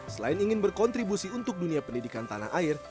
selain ingin berkontribusi untuk dunia pendidikan tanah air